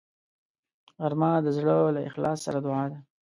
غرمه د زړه له اخلاص سره دعا ده